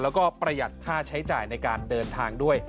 แล้วก็ประหยัดค่าใช้จ่ายในการเดินทางด้วย